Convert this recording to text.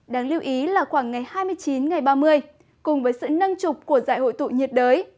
đáng lưu ý là khoảng ngày hai mươi chín ngày ba mươi cùng với sự nâng trục của giải hội tụ nhiệt đới